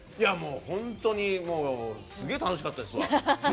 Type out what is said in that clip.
本当にすげ楽しかったですわ。